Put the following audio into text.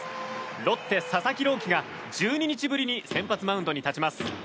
ロッテ、佐々木朗希投手が１２日ぶりに先発マウンドに立ちます。